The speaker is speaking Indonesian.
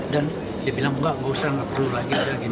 dan dia bilang enggak gak usah gak perlu lagi